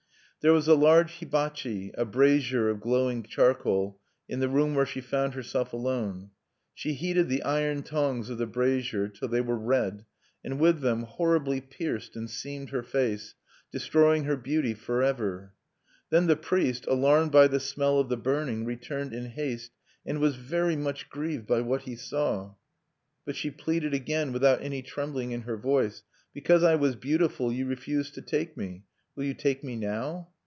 There was a large hibachi a brazier of glowing charcoal in the room where she found herself alone. She heated the iron tongs of the brazier till they were red, and with them horribly pierced and seamed her face, destroying her beauty forever. Then the priest, alarmed by the smell of the burning, returned in haste, and was very much grieved by what he saw. But she pleaded again, without any trembling in her voice: 'Because I was beautiful, you refused to take me. Will you take me now?'